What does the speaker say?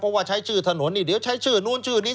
เพราะว่าใช้ชื่อถนนนี่เดี๋ยวใช้ชื่อนู้นชื่อนี้